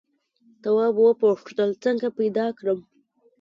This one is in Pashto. تواب وپوښتل څنګه پیدا کړم.